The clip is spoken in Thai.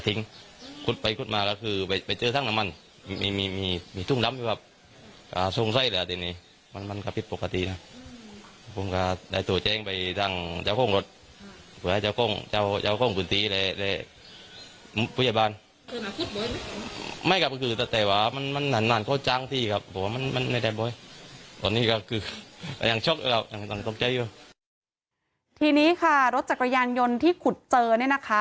ทีนี้ค่ะรถจักรยานยนต์ที่ขุดเจอเนี่ยนะคะ